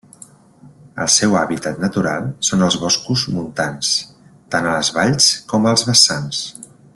El seu hàbitat natural són els boscos montans, tant a les valls com als vessants.